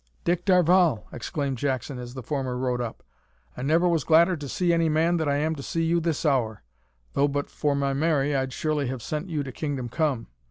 "Dick Darvall," exclaimed Jackson, as the former rode up, "I never was gladder to see any man than I am to see you this hour, though but for my Mary I'd surely have sent you to kingdom come.